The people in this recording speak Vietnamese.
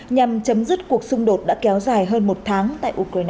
nhằm chấm dứt cuộc xung đột đã kéo dài hơn một tháng tại ukraine